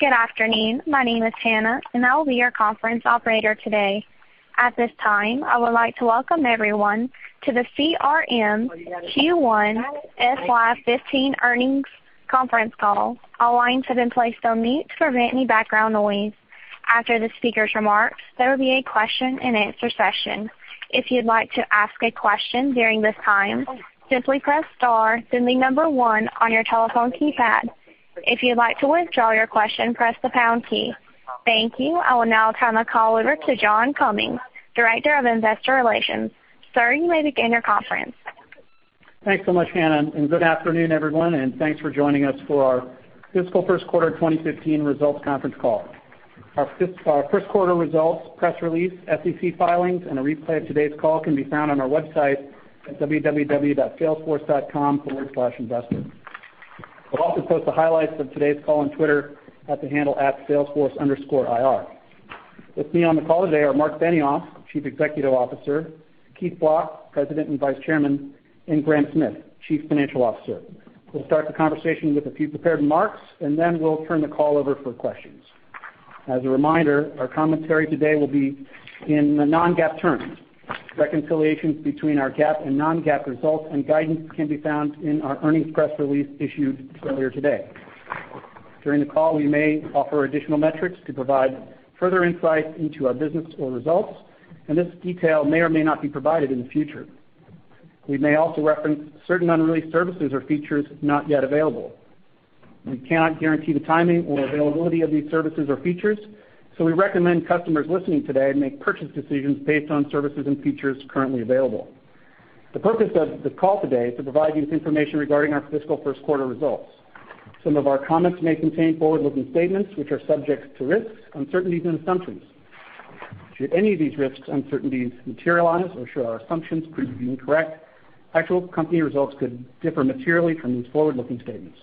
Good afternoon. My name is Hannah, and I will be your conference operator today. At this time, I would like to welcome everyone to the CRM Q1 FY 2015 Earnings Conference Call. All lines have been placed on mute to prevent any background noise. After the speaker's remarks, there will be a question-and-answer session. If you'd like to ask a question during this time, simply press star, then the number 1 on your telephone keypad. If you'd like to withdraw your question, press the pound key. Thank you. I will now turn the call over to John Cummings, Director of Investor Relations. Sir, you may begin your conference. Thanks so much, Hannah, good afternoon, everyone, and thanks for joining us for our fiscal first quarter 2015 results conference call. Our first-quarter results, press release, SEC filings, and a replay of today's call can be found on our website at www.salesforce.com/investor. We'll also post the highlights of today's call on Twitter at the handle @salesforce_IR. With me on the call today are Marc Benioff, Chief Executive Officer, Keith Block, President and Vice Chairman, and Graham Smith, Chief Financial Officer. We'll start the conversation with a few prepared remarks, then we'll turn the call over for questions. As a reminder, our commentary today will be in the non-GAAP terms. Reconciliations between our GAAP and non-GAAP results and guidance can be found in our earnings press release issued earlier today. During the call, we may offer additional metrics to provide further insight into our business or results, this detail may or may not be provided in the future. We may also reference certain unreleased services or features not yet available. We cannot guarantee the timing or availability of these services or features, we recommend customers listening today make purchase decisions based on services and features currently available. The purpose of the call today is to provide you with information regarding our fiscal first-quarter results. Some of our comments may contain forward-looking statements, which are subject to risks, uncertainties, and assumptions. Should any of these risks or uncertainties materialize, or should our assumptions prove to be incorrect, actual company results could differ materially from these forward-looking statements.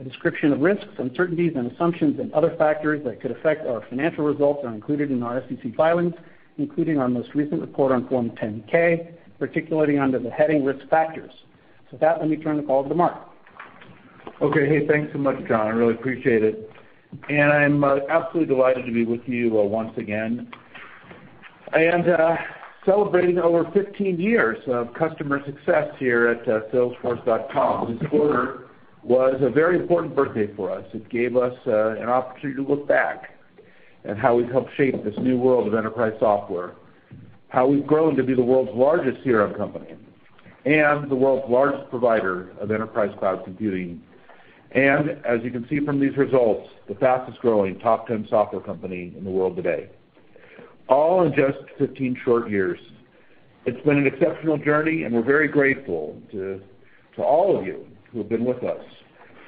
A description of risks, uncertainties, and assumptions and other factors that could affect our financial results are included in our SEC filings, including our most recent report on Form 10-K, particularly under the heading Risk Factors. With that, let me turn the call over to Marc. Okay. Hey, thanks so much, John. I really appreciate it. I'm absolutely delighted to be with you once again, and celebrating over 15 years of customer success here at salesforce.com. This quarter was a very important birthday for us. It gave us an opportunity to look back at how we've helped shape this new world of enterprise software, how we've grown to be the world's largest CRM company, and the world's largest provider of enterprise cloud computing, and as you can see from these results, the fastest-growing top 10 software company in the world today, all in just 15 short years. It's been an exceptional journey, and we're very grateful to all of you who have been with us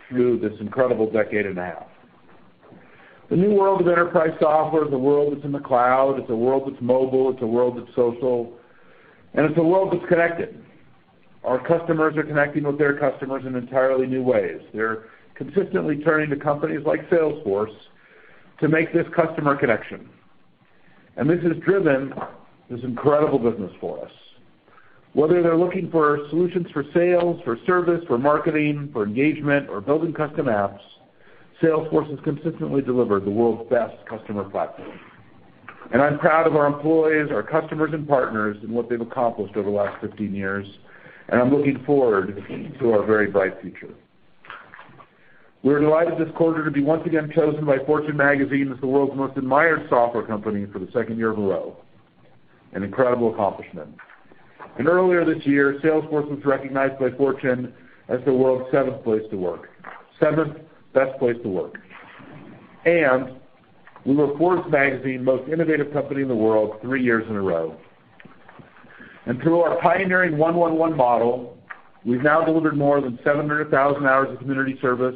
through this incredible decade and a half. The new world of enterprise software is a world that's in the cloud, it's a world that's mobile, it's a world that's social, and it's a world that's connected. Our customers are connecting with their customers in entirely new ways. They're consistently turning to companies like Salesforce to make this customer connection, and this has driven this incredible business for us. Whether they're looking for solutions for sales, for service, for marketing, for engagement, or building custom apps, Salesforce has consistently delivered the world's best customer platform. I'm proud of our employees, our customers, and partners, and what they've accomplished over the last 15 years, and I'm looking forward to our very bright future. We're delighted this quarter to be once again chosen by Fortune Magazine as the world's most admired software company for the second year in a row, an incredible accomplishment. Earlier this year, Salesforce was recognized by Fortune as the world's seventh best place to work. We were Forbes Magazine Most Innovative Company in the World three years in a row. Through our pioneering 1-1-1 model, we've now delivered more than 700,000 hours of community service,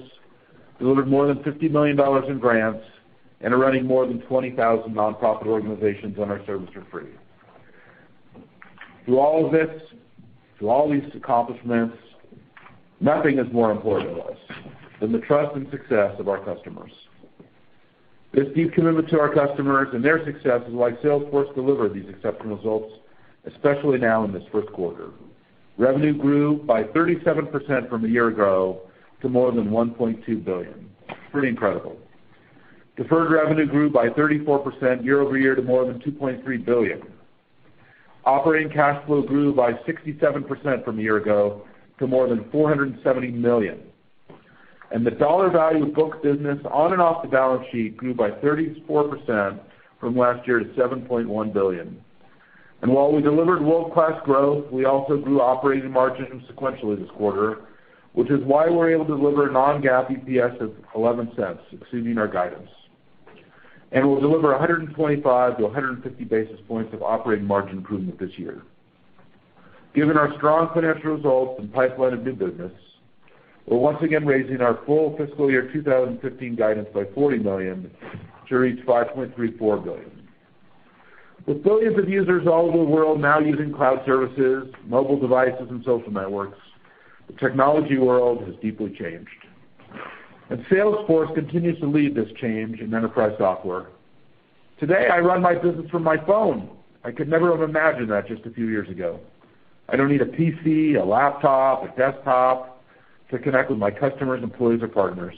delivered more than $50 million in grants, and are running more than 20,000 nonprofit organizations on our service for free. Through all of this, through all these accomplishments, nothing is more important to us than the trust and success of our customers. This deep commitment to our customers and their success is why Salesforce delivered these exceptional results, especially now in this first quarter. Revenue grew by 37% from a year ago to more than $1.2 billion. Pretty incredible. Deferred revenue grew by 34% year-over-year to more than $2.3 billion. Operating cash flow grew by 67% from a year ago to more than $470 million. The dollar value of booked business on and off the balance sheet grew by 34% from last year to $7.1 billion. While we delivered world-class growth, we also grew operating margin sequentially this quarter, which is why we were able to deliver a non-GAAP EPS of $0.11, exceeding our guidance. We'll deliver 125 to 150 basis points of operating margin improvement this year. Given our strong financial results and pipeline of new business, we're once again raising our full fiscal year 2015 guidance by $40 million to reach $5.34 billion. With billions of users all over the world now using cloud services, mobile devices, and social networks, the technology world has deeply changed. Salesforce continues to lead this change in enterprise software. Today, I run my business from my phone. I could never have imagined that just a few years ago. I don't need a PC, a laptop, a desktop to connect with my customers, employees, or partners.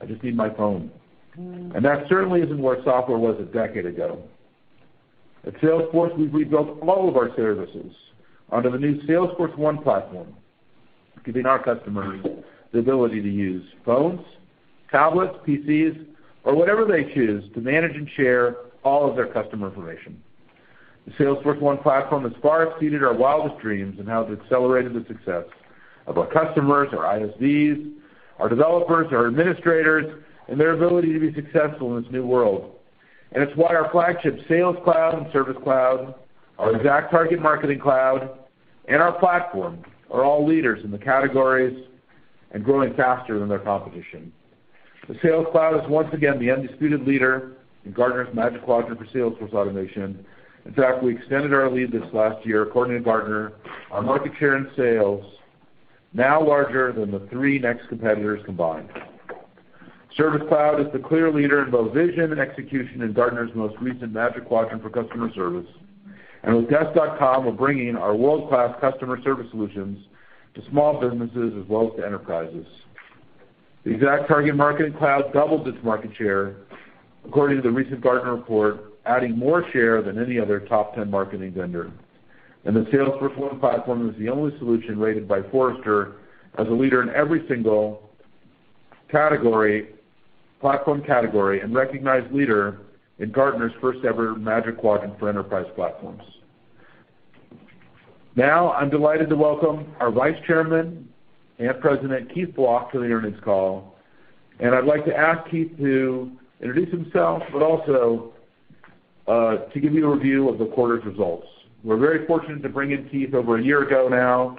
I just need my phone. That certainly isn't where software was a decade ago. At Salesforce, we've rebuilt all of our services under the new Salesforce1 Platform, giving our customers the ability to use phones, tablets, PCs, or whatever they choose to manage and share all of their customer information. The Salesforce1 Platform has far exceeded our wildest dreams in how it's accelerated the success of our customers, our ISVs, our developers, our administrators, and their ability to be successful in this new world. It's why our flagship Sales Cloud and Service Cloud, our ExactTarget Marketing Cloud, and our Platform are all leaders in the categories and growing faster than their competition. The Sales Cloud is once again the undisputed leader in Gartner's Magic Quadrant for Sales Force Automation. In fact, we extended our lead this last year. According to Gartner, our market share in sales, now larger than the three next competitors combined. Service Cloud is the clear leader in both vision and execution in Gartner's most recent Magic Quadrant for customer service. With Desk.com, we're bringing our world-class customer service solutions to small businesses as well as to enterprises. The ExactTarget Marketing Cloud doubled its market share, according to the recent Gartner report, adding more share than any other top 10 marketing vendor. The Salesforce1 Platform is the only solution rated by Forrester as a leader in every single platform category, and recognized leader in Gartner's first-ever Magic Quadrant for enterprise platforms. Now, I'm delighted to welcome our Vice Chairman and President, Keith Block, to the earnings call. I'd like to ask Keith to introduce himself, but also to give you a review of the quarter's results. We're very fortunate to bring in Keith over a year ago now.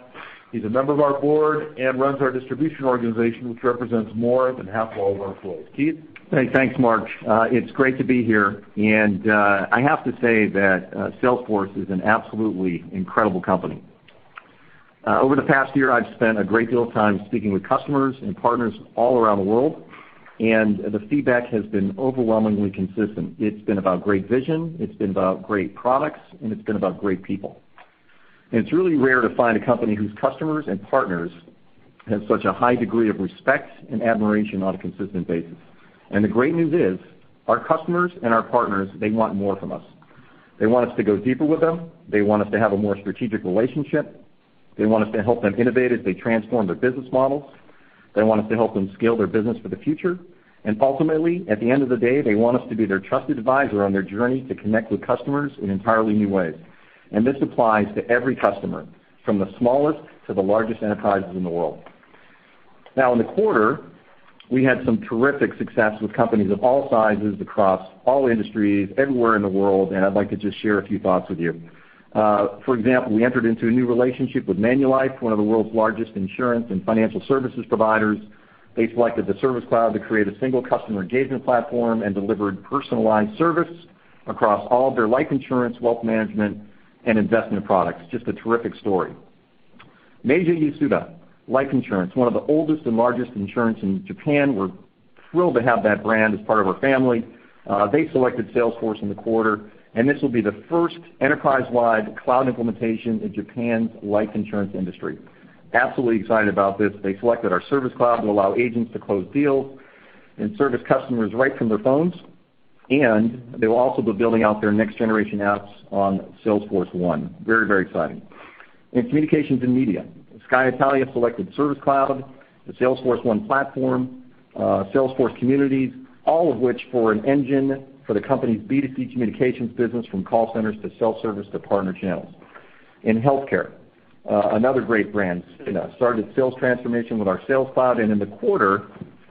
He's a member of our board and runs our distribution organization, which represents more than half of all of our employees. Keith? Hey, thanks, Marc. It's great to be here. I have to say that Salesforce is an absolutely incredible company. Over the past year, I've spent a great deal of time speaking with customers and partners all around the world, the feedback has been overwhelmingly consistent. It's been about great vision, it's been about great products, it's been about great people. It's really rare to find a company whose customers and partners have such a high degree of respect and admiration on a consistent basis. The great news is, our customers and our partners, they want more from us. They want us to go deeper with them. They want us to have a more strategic relationship. They want us to help them innovate as they transform their business models. They want us to help them scale their business for the future. Ultimately, at the end of the day, they want us to be their trusted advisor on their journey to connect with customers in entirely new ways. This applies to every customer, from the smallest to the largest enterprises in the world. In the quarter, we had some terrific success with companies of all sizes across all industries everywhere in the world, I'd like to just share a few thoughts with you. For example, we entered into a new relationship with Manulife, one of the world's largest insurance and financial services providers. They selected the Service Cloud to create a single customer engagement platform and delivered personalized service across all of their life insurance, wealth management, and investment products. Just a terrific story. Meiji Yasuda Life Insurance, one of the oldest and largest insurance in Japan. We're thrilled to have that brand as part of our family. They selected Salesforce in the quarter, this will be the first enterprise-wide cloud implementation in Japan's life insurance industry. Absolutely excited about this. They selected our Service Cloud to allow agents to close deals and service customers right from their phones, they will also be building out their next-generation apps on Salesforce1. Very exciting. In communications and media, Sky Italia selected Service Cloud, the Salesforce1 Platform, Salesforce Communities, all of which for an engine for the company's B2C communications business, from call centers to self-service to partner channels. In healthcare, another great brand, Cigna, started sales transformation with our Sales Cloud, in the quarter,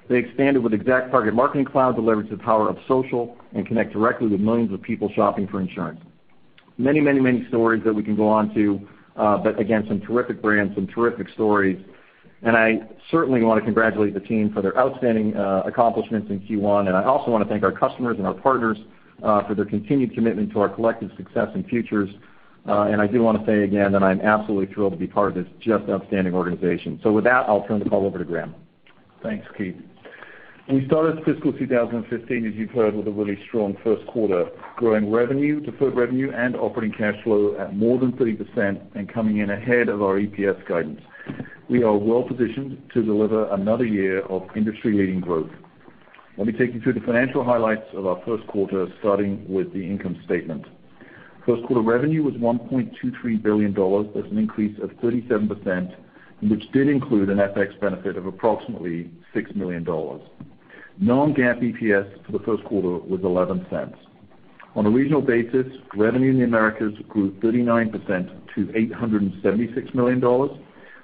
they expanded with ExactTarget Marketing Cloud to leverage the power of social and connect directly with millions of people shopping for insurance. Many stories that we can go on to, again, some terrific brands, some terrific stories, I certainly want to congratulate the team for their outstanding accomplishments in Q1. I also want to thank our customers and our partners for their continued commitment to our collective success and futures. I do want to say again that I'm absolutely thrilled to be part of this just outstanding organization. With that, I'll turn the call over to Graham. Thanks, Keith. We started fiscal 2015, as you've heard, with a really strong first quarter, growing revenue, deferred revenue, and operating cash flow at more than 30% and coming in ahead of our EPS guidance. We are well-positioned to deliver another year of industry-leading growth. Let me take you through the financial highlights of our first quarter, starting with the income statement. First quarter revenue was $1.23 billion. That's an increase of 37%, which did include an FX benefit of approximately $6 million. Non-GAAP EPS for the first quarter was $0.11. On a regional basis, revenue in the Americas grew 39% to $876 million.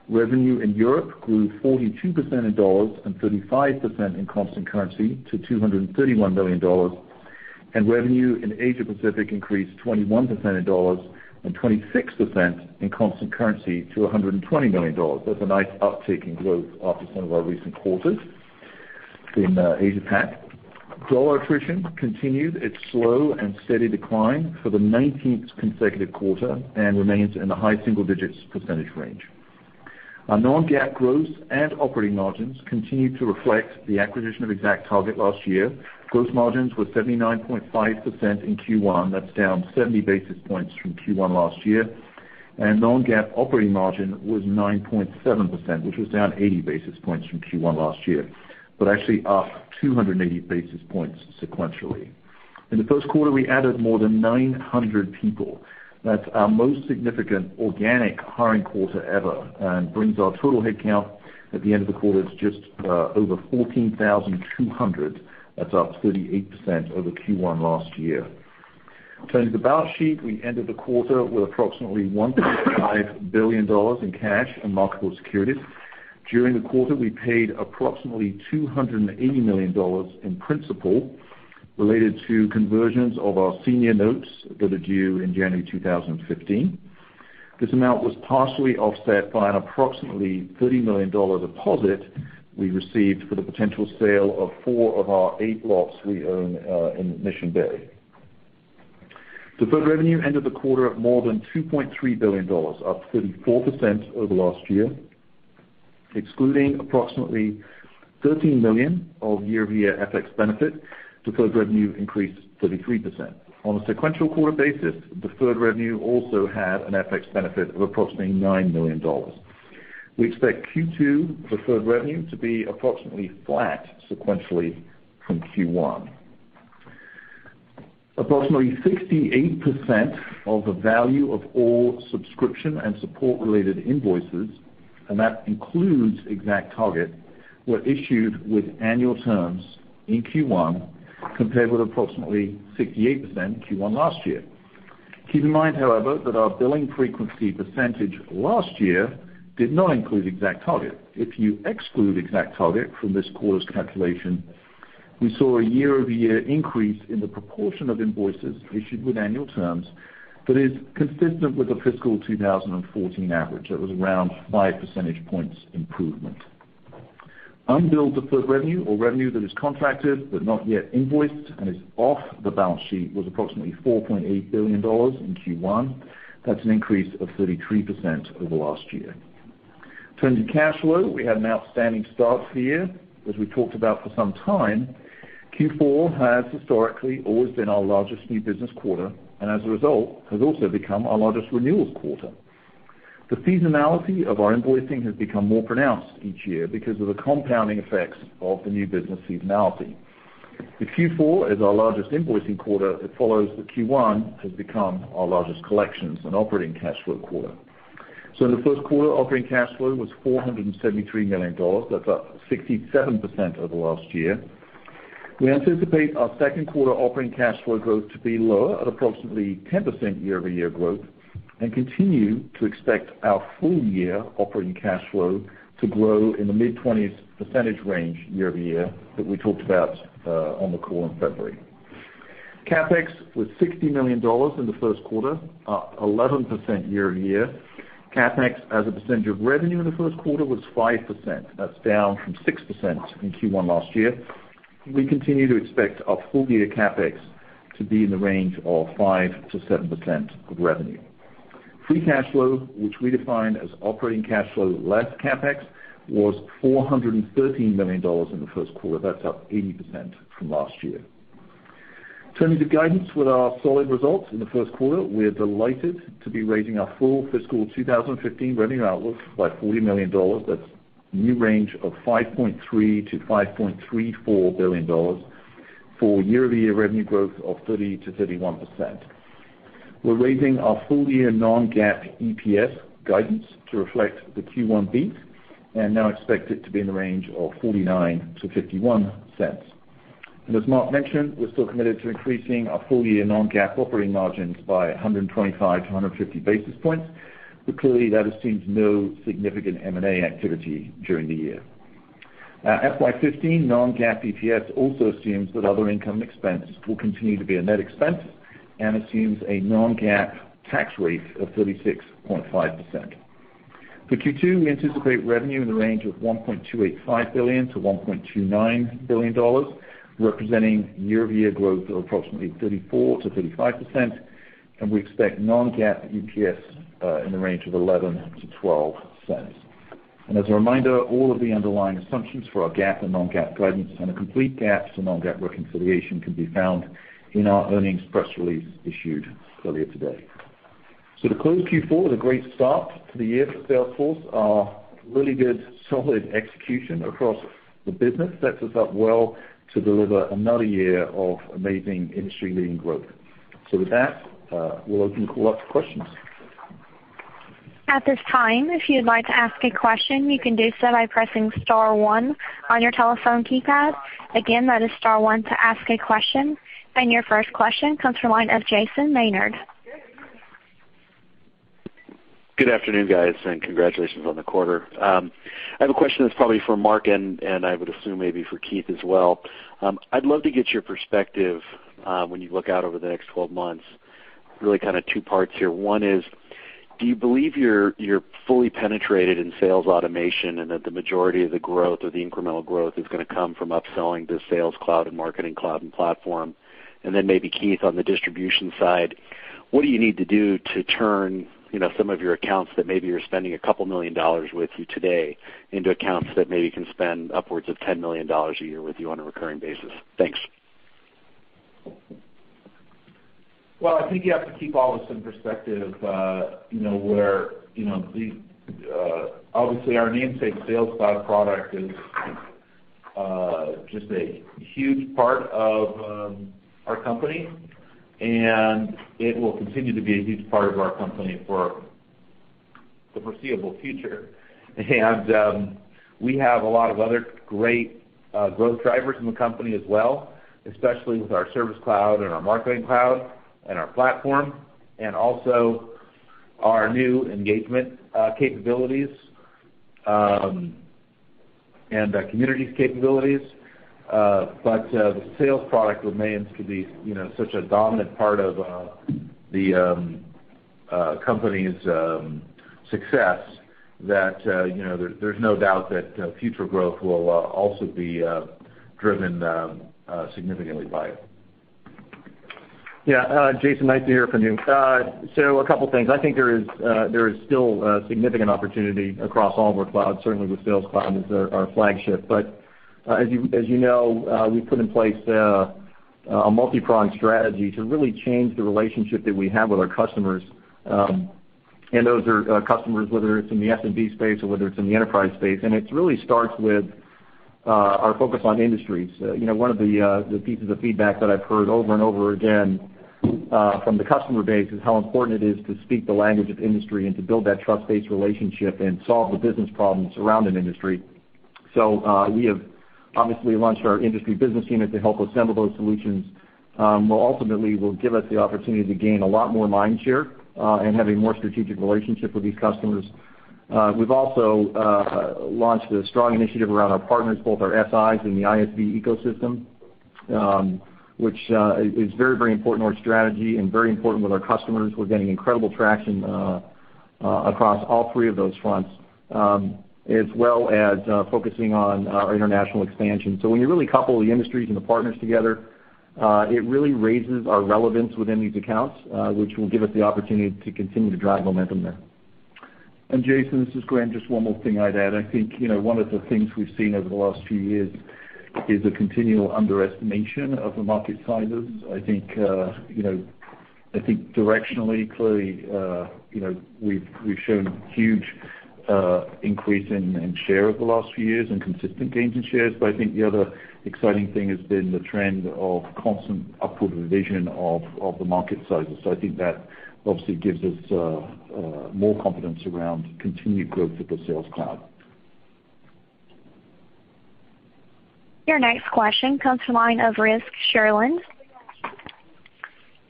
Revenue in Europe grew 42% in dollars and 35% in constant currency to $231 million. Revenue in Asia-Pacific increased 21% in dollars and 26% in constant currency to $120 million. That's a nice uptick in growth after some of our recent quarters in Asia-Pac. Dollar attrition continued its slow and steady decline for the 19th consecutive quarter and remains in the high single digits % range. Our non-GAAP growth and operating margins continue to reflect the acquisition of ExactTarget last year. Gross margins were 79.5% in Q1. That is down 70 basis points from Q1 last year, and non-GAAP operating margin was 9.7%, which was down 80 basis points from Q1 last year, but actually up 280 basis points sequentially. In the first quarter, we added more than 900 people. That is our most significant organic hiring quarter ever and brings our total headcount at the end of the quarter to just over 14,200. That is up 38% over Q1 last year. Turning to the balance sheet, we ended the quarter with approximately $1.5 billion in cash and marketable securities. During the quarter, we paid approximately $280 million in principle related to conversions of our senior notes that are due in January 2015. This amount was partially offset by an approximately $30 million deposit we received for the potential sale of four of our eight lots we own in Mission Bay. Deferred revenue ended the quarter at more than $2.3 billion, up 34% over last year. Excluding approximately $13 million of year-over-year FX benefit, deferred revenue increased 33%. On a sequential quarter basis, deferred revenue also had an FX benefit of approximately $9 million. We expect Q2 deferred revenue to be approximately flat sequentially from Q1. Approximately 68% of the value of all subscription and support-related invoices, and that includes ExactTarget, were issued with annual terms in Q1, compared with approximately 68% in Q1 last year. Keep in mind, however, that our billing frequency percentage last year did not include ExactTarget. If you exclude ExactTarget from this quarter's calculation, we saw a year-over-year increase in the proportion of invoices issued with annual terms that is consistent with the fiscal 2014 average. That was around five percentage points improvement. Unbilled deferred revenue or revenue that is contracted but not yet invoiced and is off the balance sheet was approximately $4.8 billion in Q1. That is an increase of 33% over last year. Turning to cash flow, we had an outstanding start to the year. As we talked about for some time, Q4 has historically always been our largest new business quarter, and as a result, has also become our largest renewals quarter. The seasonality of our invoicing has become more pronounced each year because of the compounding effects of the new business seasonality. In the first quarter, operating cash flow was $473 million. That is up 67% over last year. We anticipate our second quarter operating cash flow growth to be lower at approximately 10% year-over-year growth and continue to expect our full year operating cash flow to grow in the mid-20s % range year-over-year that we talked about on the call in February. CapEx was $60 million in the first quarter, up 11% year-over-year. CapEx as a % of revenue in the first quarter was 5%. That is down from 6% in Q1 last year. We continue to expect our full year CapEx to be in the range of 5%-7% of revenue. Free cash flow, which we define as operating cash flow less CapEx, was $413 million in the first quarter. That's up 80% from last year. Turning to guidance. With our solid results in the first quarter, we're delighted to be raising our full fiscal 2015 revenue outlook by $40 million. That's new range of $5.3 billion-$5.34 billion for year-over-year revenue growth of 30%-31%. We're raising our full-year non-GAAP EPS guidance to reflect the Q1 beat and now expect it to be in the range of $0.49-$0.51. As Marc mentioned, we're still committed to increasing our full-year non-GAAP operating margins by 125-150 basis points, clearly that assumes no significant M&A activity during the year. Our FY 2015 non-GAAP EPS also assumes that other income expense will continue to be a net expense and assumes a non-GAAP tax rate of 36.5%. For Q2, we anticipate revenue in the range of $1.285 billion-$1.29 billion, representing year-over-year growth of approximately 34%-35%, and we expect non-GAAP EPS in the range of $0.11-$0.12. As a reminder, all of the underlying assumptions for our GAAP and non-GAAP guidance and a complete GAAP to non-GAAP reconciliation can be found in our earnings press release issued earlier today. To close Q4 was a great start to the year for Salesforce. Our really good, solid execution across the business sets us up well to deliver another year of amazing industry-leading growth. With that, we'll open the call up to questions. At this time, if you'd like to ask a question, you can do so by pressing *1 on your telephone keypad. Again, that is *1 to ask a question, and your first question comes from the line of Jason Maynard. Good afternoon, guys, congratulations on the quarter. I have a question that's probably for Mark and I would assume maybe for Keith as well. I'd love to get your perspective when you look out over the next 12 months. Really kind of two parts here. One is, do you believe you're fully penetrated in sales automation, and that the majority of the growth or the incremental growth is going to come from upselling the Sales Cloud and Marketing Cloud and Platform? Then maybe, Keith, on the distribution side, what do you need to do to turn some of your accounts that maybe are spending a couple million dollars with you today into accounts that maybe can spend upwards of $10 million a year with you on a recurring basis? Thanks. I think you have to keep all this in perspective. Obviously, our namesake Sales Cloud product is just a huge part of our company, and it will continue to be a huge part of our company for the foreseeable future. We have a lot of other great growth drivers in the company as well, especially with our Service Cloud and our Marketing Cloud and our Salesforce Platform, and also our new engagement capabilities, and our communities capabilities. The sales product remains to be such a dominant part of the company's success that there's no doubt that future growth will also be driven significantly by it. Yeah. Jason, nice to hear from you. A couple things. I think there is still a significant opportunity across all of our clouds. Certainly with Sales Cloud as our flagship. As you know, we put in place a multi-pronged strategy to really change the relationship that we have with our customers. Those are our customers, whether it's in the SMB space or whether it's in the enterprise space. It really starts with our focus on industries. One of the pieces of feedback that I've heard over and over again from the customer base is how important it is to speak the language of industry and to build that trust-based relationship and solve the business problems around an industry. We have obviously launched our industry business unit to help assemble those solutions, will ultimately give us the opportunity to gain a lot more mind share, and have a more strategic relationship with these customers. We've also launched a strong initiative around our partners, both our SIs and the ISV ecosystem, which is very important to our strategy and very important with our customers. We're getting incredible traction across all three of those fronts, as well as focusing on our international expansion. When you really couple the industries and the partners together, it really raises our relevance within these accounts, which will give us the opportunity to continue to drive momentum there. Jason, this is Graham. Just one more thing I'd add. I think one of the things we've seen over the last few years is a continual underestimation of the market sizes. I think directionally, clearly we've shown huge increase in share over the last few years and consistent gains in shares. I think the other exciting thing has been the trend of constant upward revision of the market sizes. I think that obviously gives us more confidence around continued growth of the Sales Cloud. Your next question comes from the line of Rick Sherlund.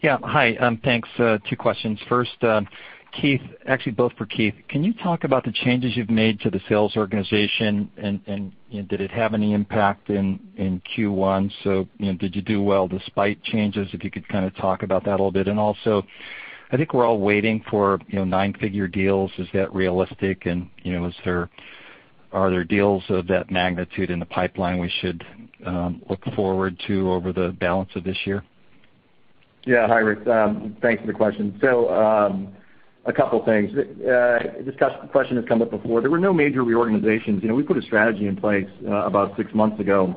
Yeah. Hi, thanks. Two questions. First, Keith, actually both for Keith. Can you talk about the changes you've made to the sales organization, and did it have any impact in Q1? Did you do well despite changes? If you could kind of talk about that a little bit. I think we're all waiting for nine-figure deals. Is that realistic? Are there deals of that magnitude in the pipeline we should look forward to over the balance of this year? Yeah. Hi, Rick. Thanks for the question. A couple things. This question has come up before. There were no major reorganizations. We put a strategy in place about six months ago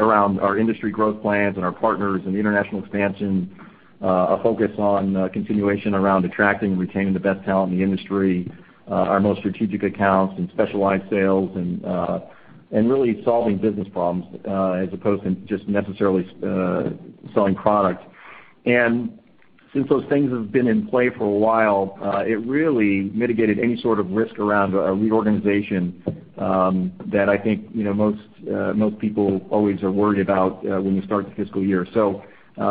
around our industry growth plans and our partners and international expansion, a focus on continuation around attracting and retaining the best talent in the industry, our most strategic accounts and specialized sales, and really solving business problems, as opposed to just necessarily selling product. Since those things have been in play for a while, it really mitigated any sort of risk around a reorganization, that I think most people always are worried about when you start the fiscal year.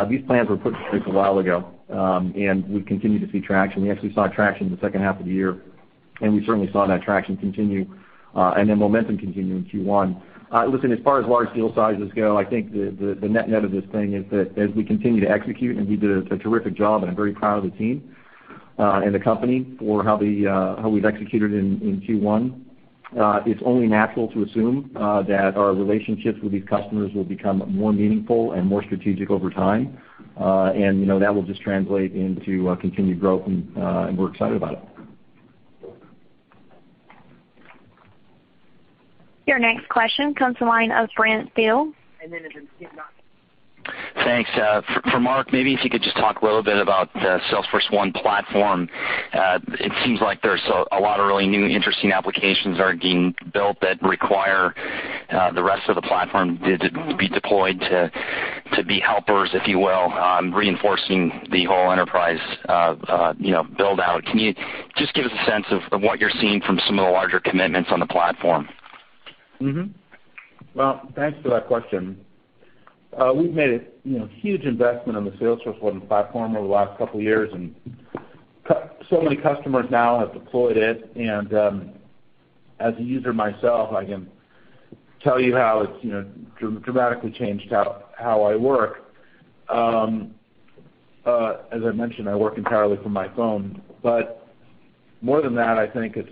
These plans were put in place a while ago, and we continue to see traction. We actually saw traction in the second half of the year, and we certainly saw that traction continue, and then momentum continue in Q1. Listen, as far as large deal sizes go, I think the net net of this thing is that as we continue to execute, and we did a terrific job, and I'm very proud of the team, and the company for how we've executed in Q1. It's only natural to assume that our relationships with these customers will become more meaningful and more strategic over time. That will just translate into continued growth, and we're excited about it. Your next question comes to line of Grant Stil. Thanks. For Marc, maybe if you could just talk a little bit about Salesforce1 Platform. It seems like there's a lot of really new, interesting applications are being built that require the rest of the platform to be deployed to be helpers, if you will, reinforcing the whole enterprise build-out. Can you just give us a sense of what you're seeing from some of the larger commitments on the platform? Well, thanks for that question. We've made a huge investment on the Salesforce1 Platform over the last couple of years. Many customers now have deployed it, and as a user myself, I can tell you how it's dramatically changed how I work. As I mentioned, I work entirely from my phone. More than that, I think it's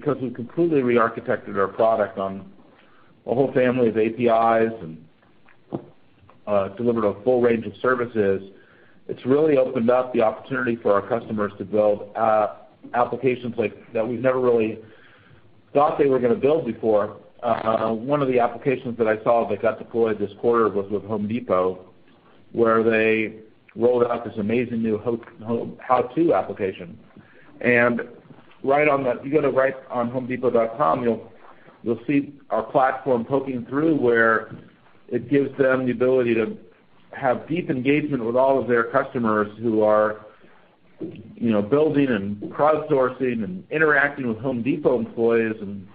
because we completely re-architected our product on a whole family of APIs and delivered a full range of services. It's really opened up the opportunity for our customers to build applications that we've never really thought they were going to build before. One of the applications that I saw that got deployed this quarter was with Home Depot, where they rolled out this amazing new home how-to application. If you go to homedepot.com, you'll see our platform poking through, where it gives them the ability to have deep engagement with all of their customers who are building and crowdsourcing and interacting with Home Depot employees, and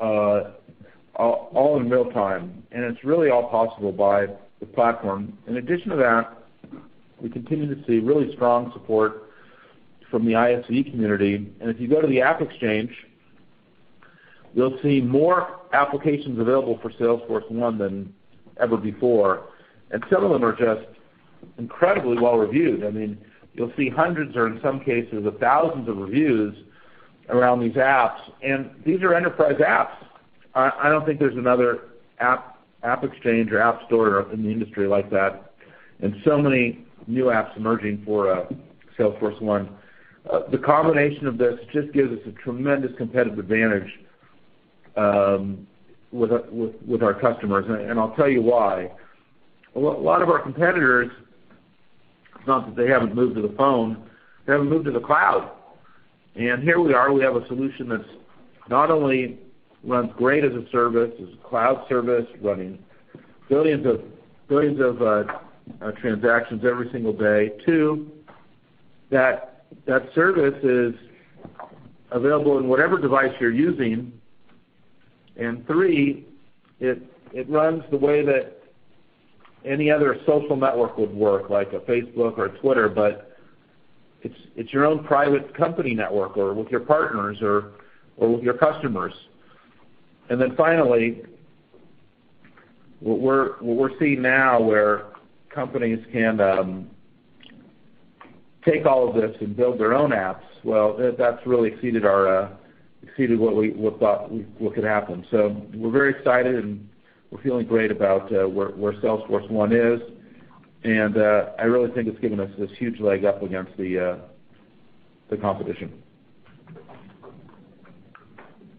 all in real time. It's really all possible by the platform. In addition to that, we continue to see really strong support from the ISV community. If you go to the AppExchange, you'll see more applications available for Salesforce1 than ever before, and some of them are just incredibly well-reviewed. You'll see hundreds or, in some cases, thousands of reviews around these apps, and these are enterprise apps. I don't think there's another AppExchange or app store in the industry like that, and so many new apps emerging for Salesforce1. The combination of this just gives us a tremendous competitive advantage with our customers. I'll tell you why. A lot of our competitors, it's not that they haven't moved to the phone, they haven't moved to the cloud. Here we are, we have a solution that not only runs great as a service, as a cloud service, running billions of transactions every single day. Two, that service is available in whatever device you're using, and three, it runs the way that any other social network would work, like a Facebook or a Twitter, but it's your own private company network or with your partners or with your customers. Finally, what we're seeing now where companies can take all of this and build their own apps, well, that's really exceeded what we thought could happen. We're very excited, and we're feeling great about where Salesforce1 is, and I really think it's given us this huge leg up against the competition.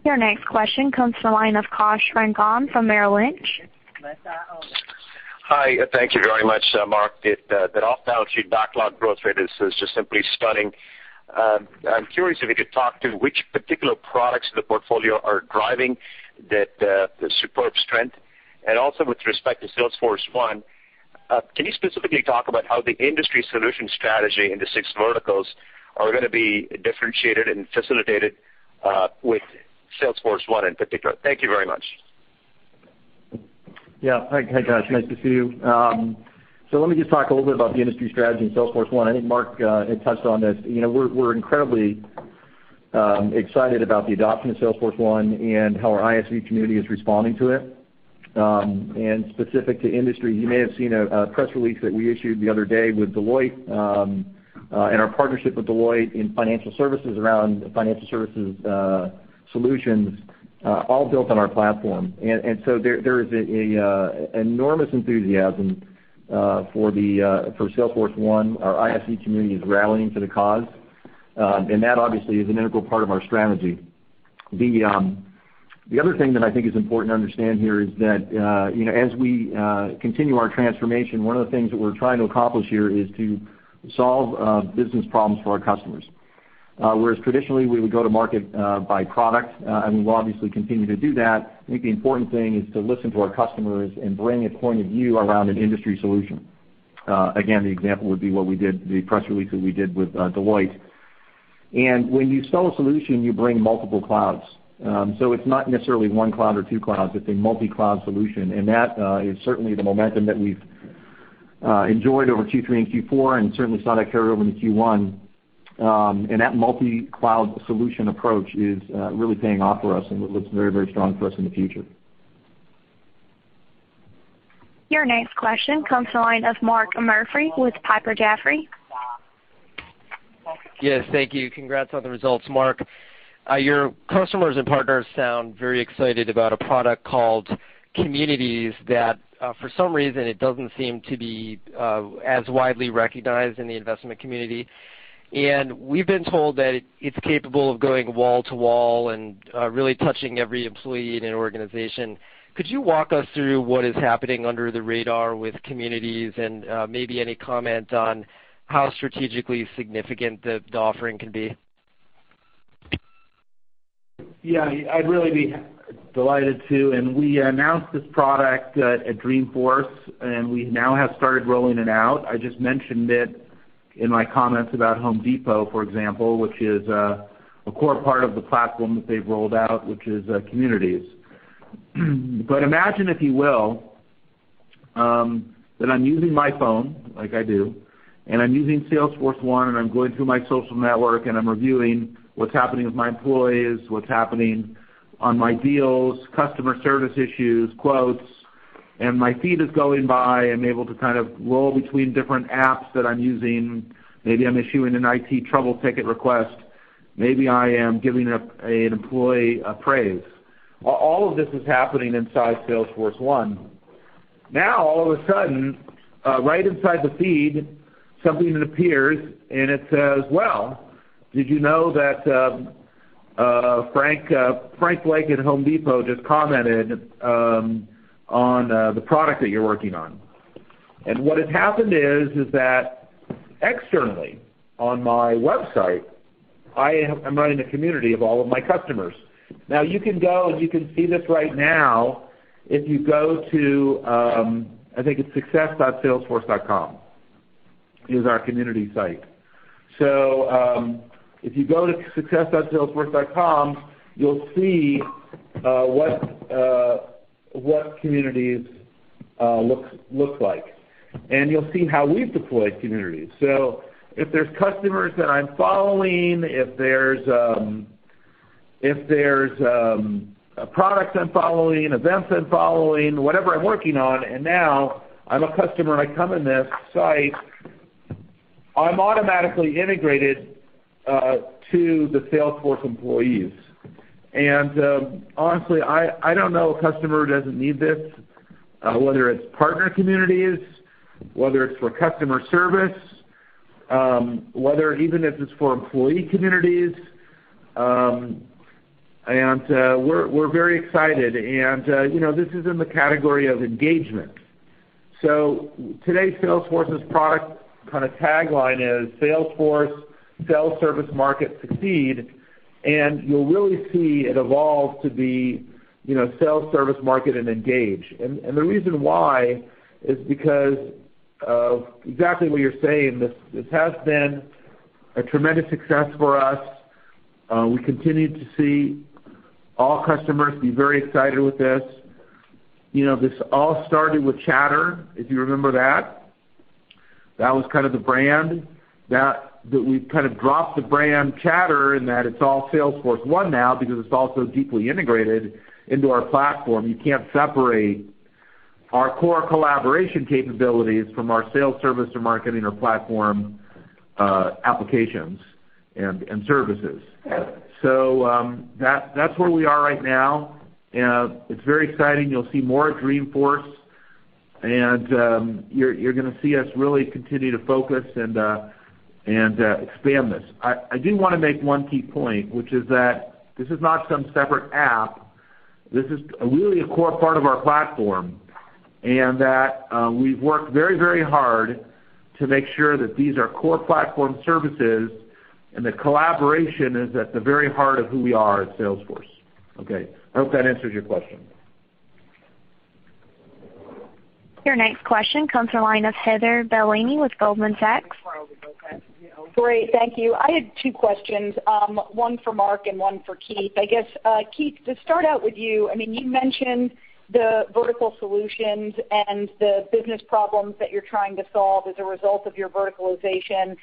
Your next question comes from the line of Kash Rangan from Merrill Lynch. Hi. Thank you very much, Mark. That off-balance sheet backlog growth rate is just simply stunning. I'm curious if you could talk to which particular products in the portfolio are driving that superb strength. Also, with respect to Salesforce1, can you specifically talk about how the industry solution strategy in the six verticals are going to be differentiated and facilitated with Salesforce1 in particular? Thank you very much. Yeah. Hi, Kash. Nice to see you. Let me just talk a little bit about the industry strategy in Salesforce1. I think Marc had touched on this. We're incredibly excited about the adoption of Salesforce1 and how our ISV community is responding to it. Specific to industry, you may have seen a press release that we issued the other day with Deloitte, and our partnership with Deloitte in financial services around financial services solutions, all built on our platform. There is enormous enthusiasm for Salesforce1. Our ISV community is rallying to the cause, and that obviously is an integral part of our strategy. The other thing that I think is important to understand here is that as we continue our transformation, one of the things that we're trying to accomplish here is to solve business problems for our customers. Whereas traditionally, we would go to market by product, and we will obviously continue to do that, I think the important thing is to listen to our customers and bring a point of view around an industry solution. Again, the example would be the press release that we did with Deloitte. When you sell a solution, you bring multiple clouds. It's not necessarily one cloud or two clouds, it's a multi-cloud solution. That is certainly the momentum that we've enjoyed over Q3 and Q4, and certainly saw that carry over into Q1. That multi-cloud solution approach is really paying off for us, and looks very strong for us in the future. Your next question comes to the line of Mark Murphy with Piper Jaffray. Yes. Thank you. Congrats on the results, Marc. Your customers and partners sound very excited about a product called Communities that, for some reason, it doesn't seem to be as widely recognized in the investment community. We've been told that it's capable of going wall to wall and really touching every employee in an organization. Could you walk us through what is happening under the radar with Communities and maybe any comment on how strategically significant the offering can be? Yeah. I'd really be delighted to. We announced this product at Dreamforce, and we now have started rolling it out. I just mentioned it in my comments about The Home Depot, for example, which is a core part of the platform that they've rolled out, which is Communities. Imagine, if you will, that I'm using my phone like I do, and I'm using Salesforce1, and I'm going through my social network, and I'm reviewing what's happening with my employees, what's happening on my deals, customer service issues, quotes, and my feed is going by. I'm able to roll between different apps that I'm using. Maybe I'm issuing an IT trouble ticket request. Maybe I am giving an employee a praise. All of this is happening inside Salesforce1. All of a sudden, right inside the feed, something appears, and it says, "Well, did you know that Frank Blake at The Home Depot just commented on the product that you're working on?" What had happened is that externally on my website, I am running a community of all of my customers. You can go and you can see this right now if you go to, I think it's success.salesforce.com is our community site. If you go to success.salesforce.com, you'll see what communities look like, and you'll see how we've deployed communities. If there's customers that I'm following, if there's products I'm following, events I'm following, whatever I'm working on, and now I'm a customer and I come in this site, I'm automatically integrated to the Salesforce employees. Honestly, I don't know a customer who doesn't need this, whether it's partner communities, whether it's for customer service, whether even if it's for employee communities. We're very excited, and this is in the category of engagement. Today, Salesforce's product tagline is Salesforce sell, service, market, succeed, and you'll really see it evolve to be sell, service, market, and engage. The reason why is because of exactly what you're saying. This has been a tremendous success for us. We continue to see all customers be very excited with this. This all started with Chatter, if you remember that. That was the brand. We've dropped the brand Chatter in that it's all Salesforce1 now because it's all so deeply integrated into our platform. You can't separate our core collaboration capabilities from our sales service or marketing or platform applications and services. That's where we are right now, and it's very exciting. You'll see more at Dreamforce, and you're going to see us really continue to focus and expand this. I do want to make one key point, which is that this is not some separate app. This is really a core part of our platform, and that we've worked very hard to make sure that these are core platform services and that collaboration is at the very heart of who we are at Salesforce. Okay. I hope that answers your question. Your next question comes from the line of Heather Bellini with Goldman Sachs. Great. Thank you. I had two questions, one for Marc and one for Keith. I guess, Keith, to start out with you mentioned the vertical solutions and the business problems that you're trying to solve as a result of your verticalization.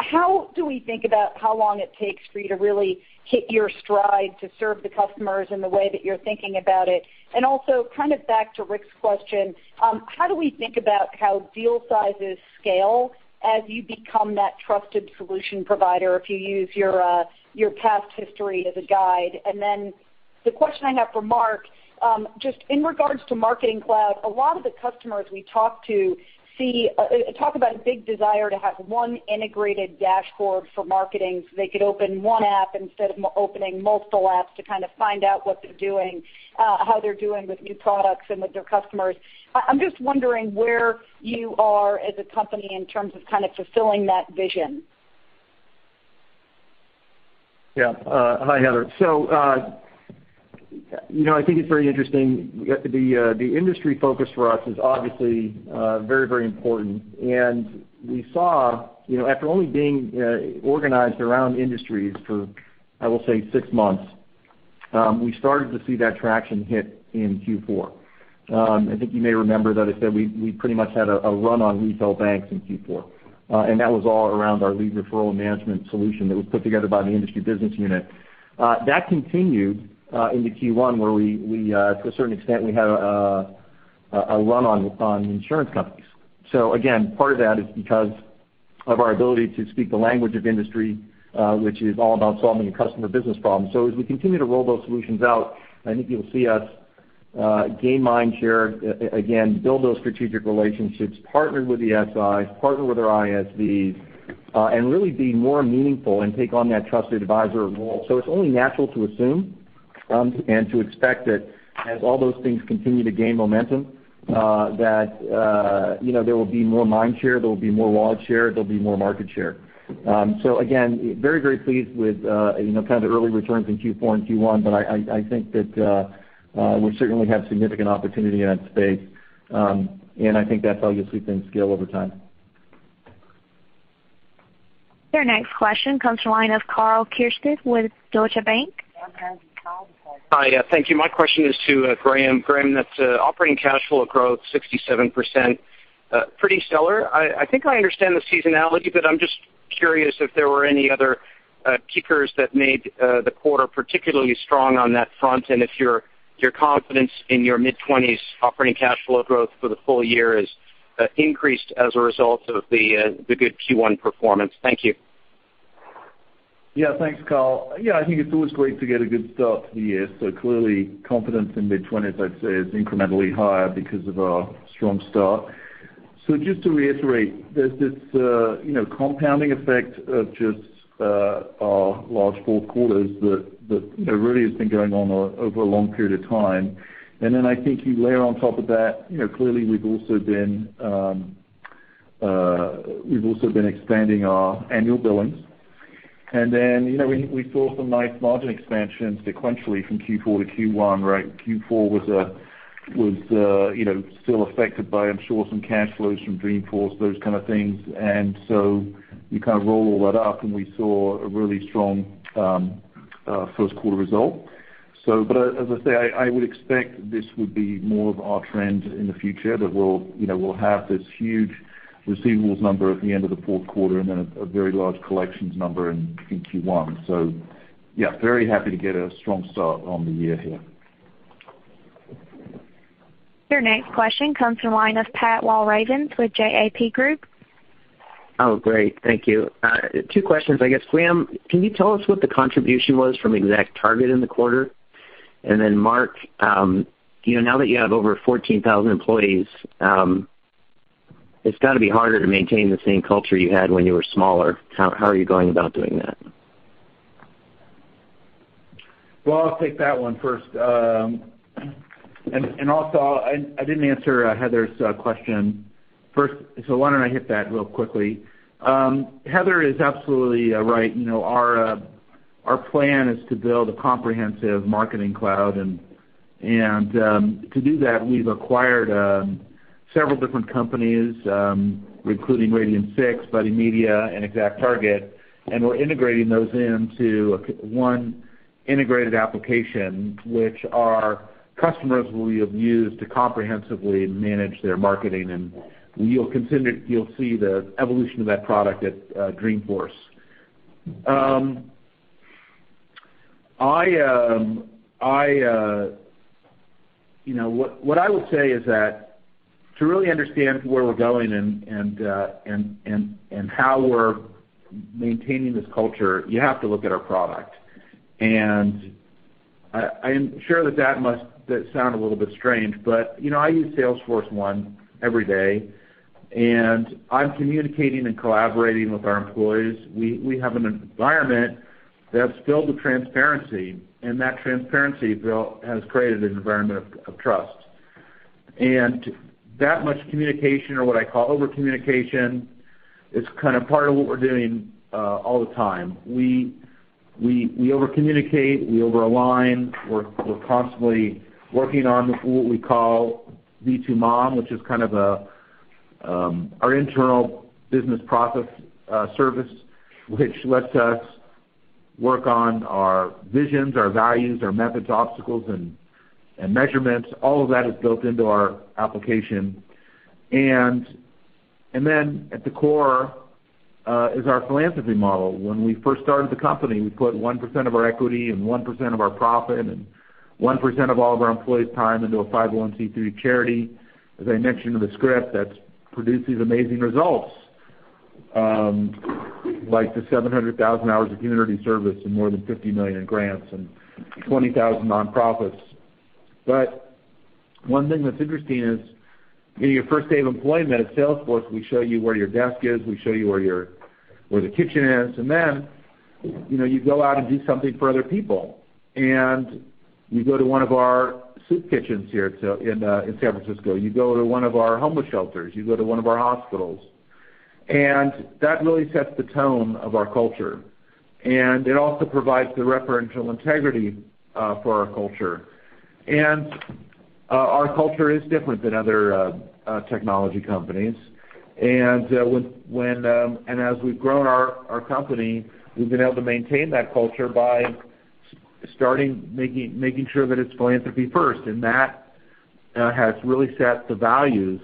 How do we think about how long it takes for you to really hit your stride to serve the customers in the way that you're thinking about it? Also back to Rick's question, how do we think about how deal sizes scale as you become that trusted solution provider, if you use your past history as a guide? The question I have for Marc, just in regards to Salesforce Marketing Cloud, a lot of the customers we talk to talk about a big desire to have one integrated dashboard for marketing, so they could open one app instead of opening multiple apps to find out what they're doing, how they're doing with new products and with their customers. I'm just wondering where you are as a company in terms of fulfilling that vision. Yeah. Hi, Heather. I think it's very interesting. The industry focus for us is obviously very important. We saw, after only being organized around industries for, I will say, six months, we started to see that traction hit in Q4. I think you may remember that I said we pretty much had a run on retail banks in Q4. That was all around our lead referral management solution that was put together by the industry business unit. That continued into Q1, where we, to a certain extent, we had a run on insurance companies. Again, part of that is because of our ability to speak the language of industry, which is all about solving a customer business problem. As we continue to roll those solutions out, I think you'll see us gain mind share, again, build those strategic relationships, partner with the SIs, partner with our ISVs, and really be more meaningful and take on that trusted advisor role. It's only natural to assume and to expect that as all those things continue to gain momentum, that there will be more mind share, there will be more wallet share, there will be more market share. Again, very pleased with the early returns in Q4 and Q1, but I think that we certainly have significant opportunity in that space. I think that's how you'll see things scale over time. Your next question comes from the line of Karl Keirstead with Deutsche Bank. Hi. Thank you. My question is to Graham. Graham, that's operating cash flow growth 67%, pretty stellar. I think I understand the seasonality, but I'm just curious if there were any other kickers that made the quarter particularly strong on that front, and if your confidence in your mid-20s operating cash flow growth for the full year has increased as a result of the good Q1 performance. Thank you. Thanks, Karl. I think it's always great to get a good start to the year. Clearly confidence in mid-20s, I'd say, is incrementally higher because of our strong start. Just to reiterate, there's this compounding effect of just our large fourth quarters that really has been going on over a long period of time. Then I think you layer on top of that, clearly we've also been expanding our annual billings. Then, we saw some nice margin expansion sequentially from Q4 to Q1, right? Q4 was still affected by, I'm sure, some cash flows from Dreamforce, those kind of things. So you kind of roll all that up, and we saw a really strong first quarter result. As I say, I would expect this would be more of our trend in the future, that we'll have this huge receivables number at the end of the fourth quarter and then a very large collections number in Q1. Yeah, very happy to get a strong start on the year here. Your next question comes from the line of Pat Walravens with JMP Group. Great. Thank you. Two questions, I guess. Graham, can you tell us what the contribution was from ExactTarget in the quarter? Mark, now that you have over 14,000 employees, it's got to be harder to maintain the same culture you had when you were smaller. How are you going about doing that? I'll take that one first. Also, I didn't answer Heather's question first, why don't I hit that real quickly? Heather is absolutely right. Our plan is to build a comprehensive marketing cloud, to do that, we've acquired several different companies, including Radian6, Buddy Media, and ExactTarget. We're integrating those into one integrated application, which our customers will be able to use to comprehensively manage their marketing. You'll see the evolution of that product at Dreamforce. What I would say is that to really understand where we're going and how we're maintaining this culture, you have to look at our product. I am sure that must sound a little bit strange, but I use Salesforce1 every day, I'm communicating and collaborating with our employees. We have an environment that's filled with transparency, that transparency has created an environment of trust. That much communication, or what I call over-communication, is part of what we're doing all the time. We over-communicate, we over-align. We're constantly working on what we call V2MOM, which is our internal business process service, which lets us work on our visions, our values, our methods, obstacles, and measurements. All of that is built into our application. Then at the core is our philanthropy model. When we first started the company, we put 1% of our equity and 1% of our profit, and 1% of all of our employees' time into a 501(c)(3) charity. As I mentioned in the script, that produces amazing results, like the 700,000 hours of community service and more than $50 million in grants and 20,000 nonprofits. One thing that's interesting is your first day of employment at Salesforce, we show you where your desk is, we show you where the kitchen is, then you go out and do something for other people. You go to one of our soup kitchens here in San Francisco. You go to one of our homeless shelters. You go to one of our hospitals. That really sets the tone of our culture, and it also provides the referential integrity for our culture. Our culture is different than other technology companies. As we've grown our company, we've been able to maintain that culture by making sure that it's philanthropy first, and that has really set the values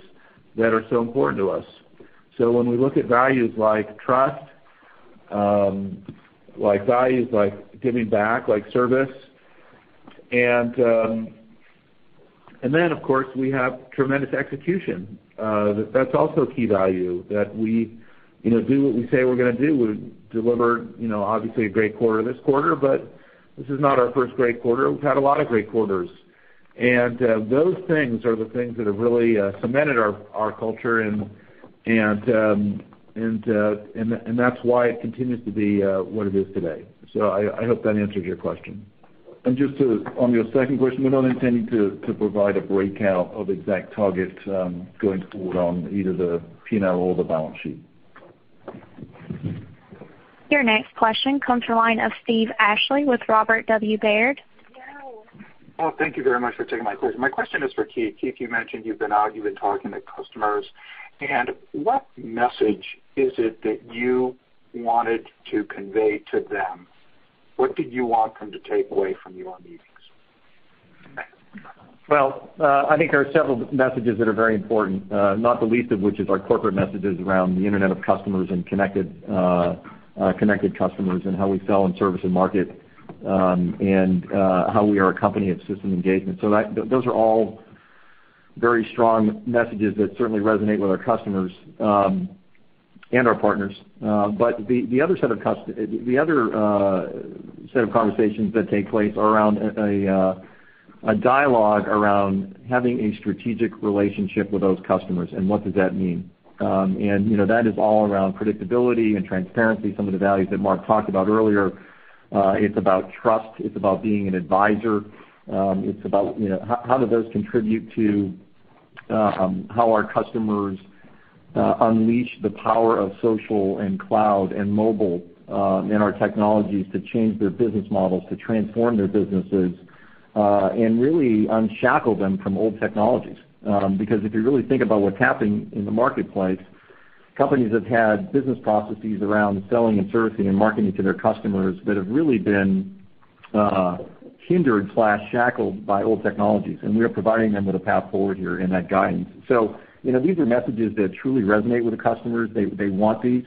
that are so important to us. When we look at values like trust, values like giving back, like service. Then, of course, we have tremendous execution. That's also a key value, that we do what we say we're going to do. We deliver, obviously, a great quarter this quarter, but this is not our first great quarter. We've had a lot of great quarters. Those things are the things that have really cemented our culture, and that's why it continues to be what it is today. I hope that answers your question. Just on your second question, we don't intend to provide a breakout of ExactTarget going forward on either the P&L or the balance sheet. Your next question comes from the line of Steve Ashley with Robert W. Baird. Well, thank you very much for taking my question. My question is for Keith. Keith, you mentioned you've been out, you've been talking to customers, what message is it that you wanted to convey to them? What did you want them to take away from your meetings? Well, I think there are several messages that are very important, not the least of which is our corporate messages around the Internet of Customers and connected customers, and how we sell and service and market, and how we are a company of system engagement. Those are all very strong messages that certainly resonate with our customers, and our partners. The other set of conversations that take place are around a dialogue around having a strategic relationship with those customers, and what does that mean. That is all around predictability and transparency, some of the values that Marc talked about earlier. It's about trust. It's about being an advisor. It's about how do those contribute to how our customers unleash the power of social and cloud and mobile in our technologies to change their business models, to transform their businesses, and really unshackle them from old technologies. If you really think about what's happening in the marketplace, companies have had business processes around selling and servicing and marketing to their customers that have really been hindered/shackled by old technologies, and we are providing them with a path forward here and that guidance. These are messages that truly resonate with the customers. They want these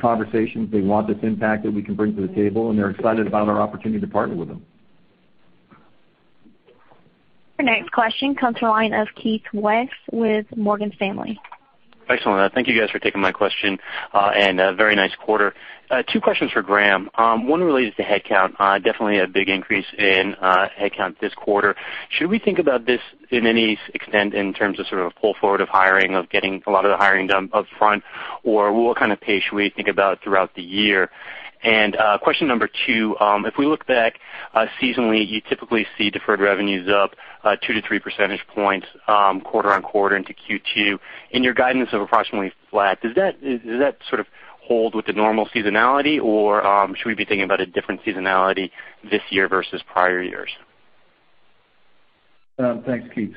conversations. They want this impact that we can bring to the table, they're excited about our opportunity to partner with them. Your next question comes to the line of Keith Weiss with Morgan Stanley. Excellent. Thank you guys for taking my question, and a very nice quarter. Two questions for Graham. One relates to headcount. Definitely a big increase in headcount this quarter. Should we think about this in any extent in terms of sort of a pull forward of hiring, of getting a lot of the hiring done upfront, or what kind of pace should we think about throughout the year? Question number two, if we look back seasonally, you typically see deferred revenues up two to three percentage points quarter on quarter into Q2. In your guidance of approximately flat, does that sort of hold with the normal seasonality, or should we be thinking about a different seasonality this year versus prior years? Thanks, Keith.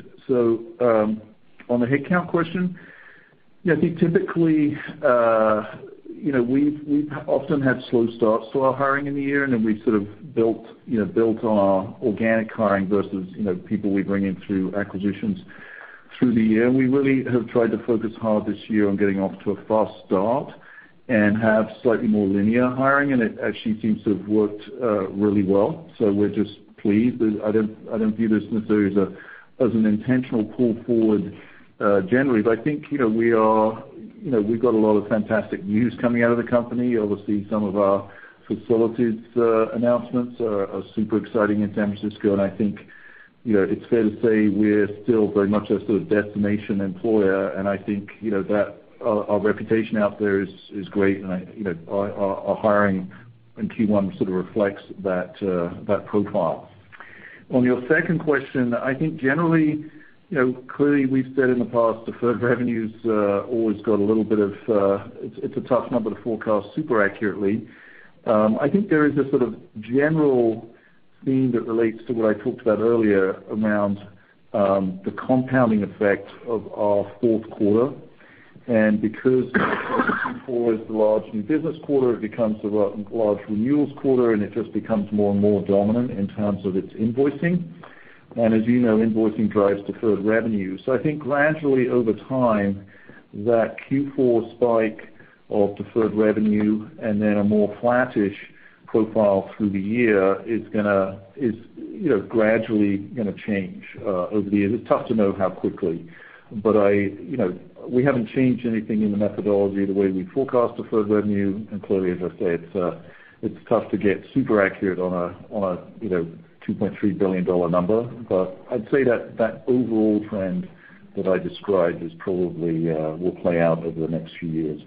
On the headcount question, I think typically, we've often had slow starts to our hiring in the year, and then we've sort of built our organic hiring versus people we bring in through acquisitions through the year. We really have tried to focus hard this year on getting off to a fast start and have slightly more linear hiring, and it actually seems to have worked really well. We're just pleased. I don't view this necessarily as an intentional pull forward generally, but I think we've got a lot of fantastic news coming out of the company. Obviously, some of our facilities announcements are super exciting in San Francisco, and I think it's fair to say we're still very much a sort of destination employer, and I think our reputation out there is great, and our hiring in Q1 sort of reflects that profile. On your second question, I think generally, clearly we've said in the past, deferred revenues always got a little bit of, it's a tough number to forecast super accurately. I think there is a sort of general theme that relates to what I talked about earlier around the compounding effect of our fourth quarter. Because Q4 is the large new business quarter, it becomes a large renewals quarter, and it just becomes more and more dominant in terms of its invoicing. As you know, invoicing drives deferred revenue. I think gradually over time, that Q4 spike of deferred revenue and then a more flattish profile through the year is gradually going to change over the years. It's tough to know how quickly. We haven't changed anything in the methodology, the way we forecast deferred revenue. Clearly, as I say, it's tough to get super accurate on a $2.3 billion number. I'd say that overall trend that I described probably will play out over the next few years.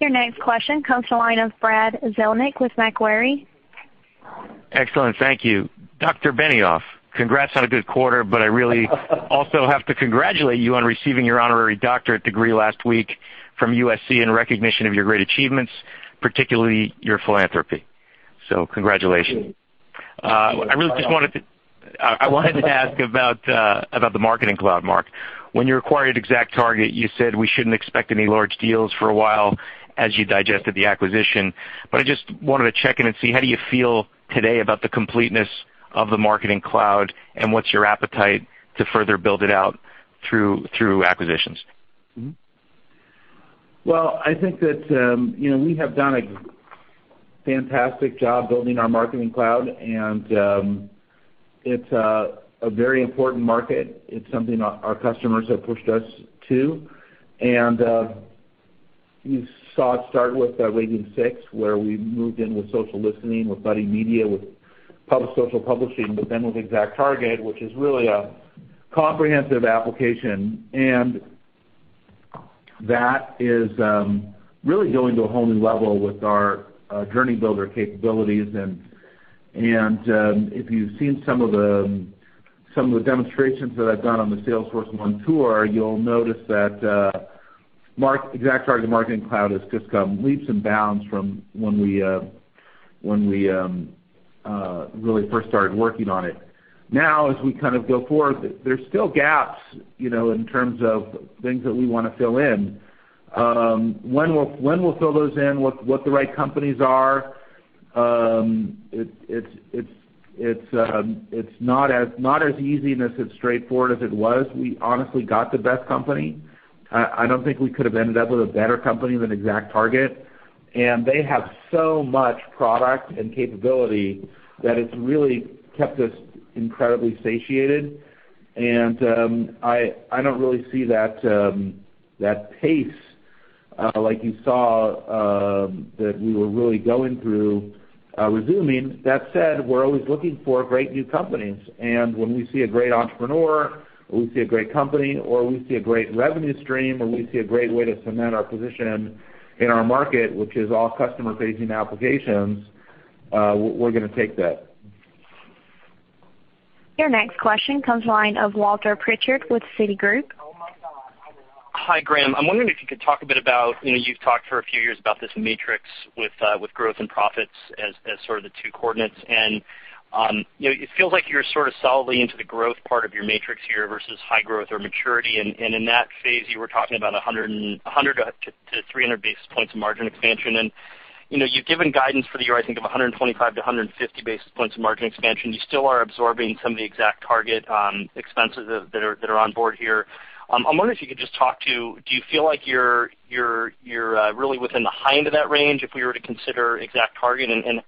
Your next question comes to the line of Brad Zelnick with Macquarie. Excellent. Thank you. Dr. Benioff, congrats on a good quarter, I really also have to congratulate you on receiving your honorary doctorate degree last week from USC in recognition of your great achievements, particularly your philanthropy. Congratulations. I wanted to ask about the Marketing Cloud, Marc. When you acquired ExactTarget, you said we shouldn't expect any large deals for a while as you digested the acquisition. I just wanted to check in and see how do you feel today about the completeness of the Marketing Cloud, and what's your appetite to further build it out through acquisitions? Well, I think that we have done a fantastic job building our Marketing Cloud, and it's a very important market. It's something our customers have pushed us to. You saw it start with Radian6, where we moved in with social listening, with Buddy Media, with social publishing, but then with ExactTarget, which is really a comprehensive application. That is really going to a whole new level with our Journey Builder capabilities, and if you've seen some of the demonstrations that I've done on the Salesforce Tour, you'll notice that. ExactTarget and Marketing Cloud has just come leaps and bounds from when we really first started working on it. As we go forward, there's still gaps, in terms of things that we want to fill in. When we'll fill those in, what the right companies are, it's not as easy and as straightforward as it was. We honestly got the best company. I don't think we could have ended up with a better company than ExactTarget, and they have so much product and capability that it's really kept us incredibly satiated. I don't really see that pace, like you saw, that we were really going through resuming. That said, we're always looking for great new companies. When we see a great entrepreneur or we see a great company, or we see a great revenue stream, or we see a great way to cement our position in our market, which is all customer-facing applications, we're gonna take that. Your next question comes the line of Walter Pritchard with Citigroup. Hi, Graham. I'm wondering if you could talk a bit about, you've talked for a few years about this matrix with growth and profits as sort of the two coordinates, and it feels like you're sort of solidly into the growth part of your matrix here versus high growth or maturity. In that phase, you were talking about 100 to 300 basis points of margin expansion. You've given guidance for the year, I think, of 125 to 150 basis points of margin expansion. You still are absorbing some of the ExactTarget expenses that are on board here. I'm wondering if you could just talk to, do you feel like you're really within the high end of that range if we were to consider ExactTarget?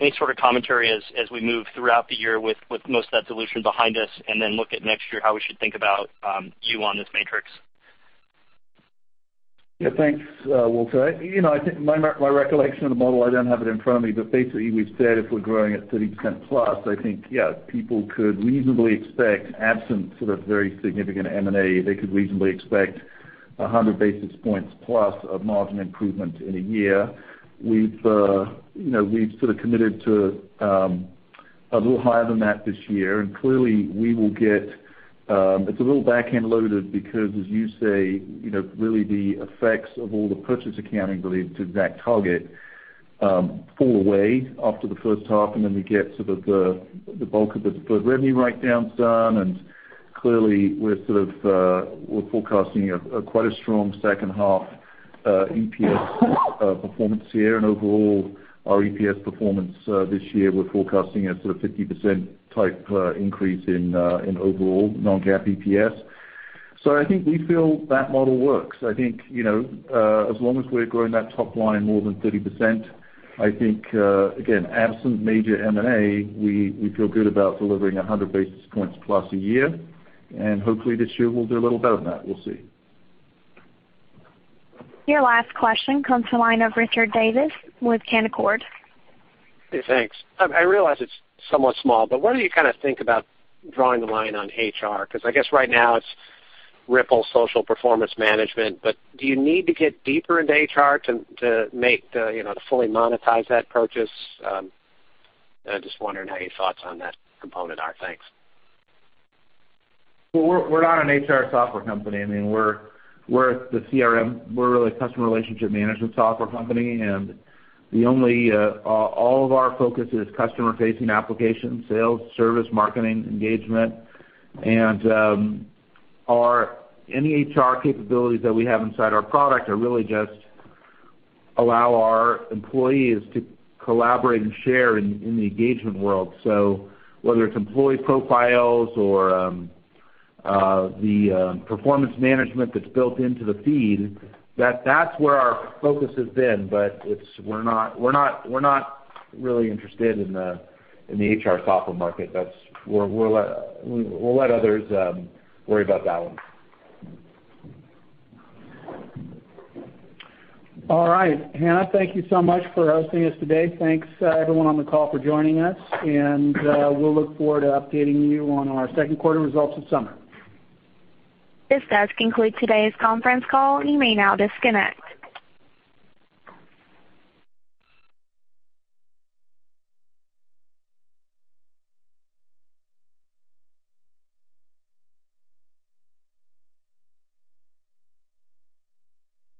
Any sort of commentary as we move throughout the year with most of that dilution behind us, and then look at next year, how we should think about you on this matrix. Thanks, Walter. I think my recollection of the model, I don't have it in front of me, but basically we've said if we're growing at 30% plus, I think, people could reasonably expect absence of very significant M&A. They could reasonably expect 100 basis points plus of margin improvement in a year. We've sort of committed to a little higher than that this year, and clearly, it's a little back-end loaded because, as you say, really the effects of all the purchase accounting related to ExactTarget fall away after the first half, and then we get sort of the bulk of the good revenue write-downs done, and clearly, we're forecasting quite a strong second-half EPS performance here. Overall, our EPS performance this year, we're forecasting a sort of 50%-type increase in overall non-GAAP EPS. I think we feel that model works. I think, as long as we're growing that top line more than 30%, I think, again, absent major M&A, we feel good about delivering 100 basis points plus a year. Hopefully this year, we'll do a little better than that. We'll see. Your last question comes to the line of Richard Davis with Canaccord. Hey, thanks. I realize it's somewhat small. What do you think about drawing the line on HR? I guess right now it's Rypple social performance management. Do you need to get deeper into HR to fully monetize that purchase? I'm just wondering how your thoughts on that component are. Thanks. Well, we're not an HR software company. We're the CRM. We're really a customer relationship management software company. All of our focus is customer-facing applications, sales, service, marketing, engagement. Any HR capabilities that we have inside our product really just allow our employees to collaborate and share in the engagement world. Whether it's employee profiles or the performance management that's built into the feed, that's where our focus has been. We're not really interested in the HR software market. We'll let others worry about that one. All right. Hannah, thank you so much for hosting us today. Thanks everyone on the call for joining us. We'll look forward to updating you on our second quarter results this summer. This does conclude today's conference call. You may now disconnect.